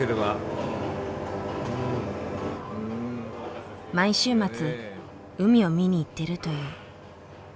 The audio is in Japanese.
毎週末海を見に行ってるという。